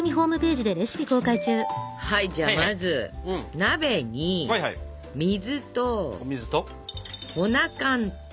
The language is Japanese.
はいじゃあまず鍋に水と粉寒天。